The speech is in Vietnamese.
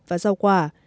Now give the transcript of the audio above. và giao quả